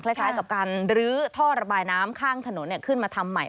คล้ายกับการลื้อท่อระบายน้ำข้างถนนขึ้นมาทำใหม่